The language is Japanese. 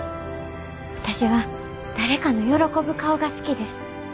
私は誰かの喜ぶ顔が好きです。